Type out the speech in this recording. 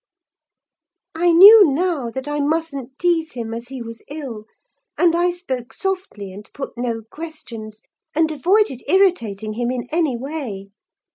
"I knew now that I mustn't tease him, as he was ill; and I spoke softly and put no questions, and avoided irritating him in any way.